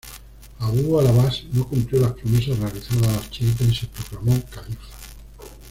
Abu al-'Abbás no cumplió las promesas realizadas a los chiitas, y se proclamó califa.